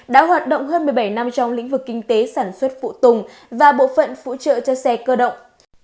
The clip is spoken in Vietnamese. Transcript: đã hoạt động hơn một mươi bảy năm trong lĩnh vực kinh tế sản xuất phụ tùng và bộ phận phụ trợ cho xe cơ động